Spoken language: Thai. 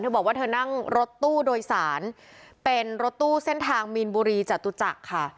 บอกว่าเธอนั่งรถตู้โดยสารเป็นรถตู้เส้นทางมีนบุรีจตุจักรค่ะ